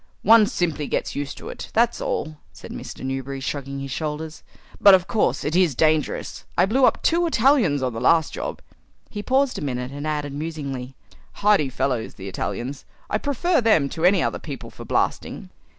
"One simply gets used to it, that's all," said Newberry, shrugging his shoulders; "but of course it is dangerous. I blew up two Italians on the last job." He paused a minute and added musingly, "Hardy fellows, the Italians. I prefer them to any other people for blasting."